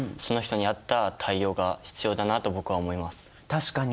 確かに。